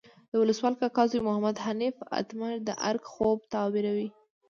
د ولسوال کاکا زوی محمد حنیف اتمر د ارګ خوب تعبیروي.